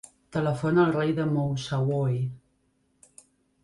Telefona al Rai El Moussaoui.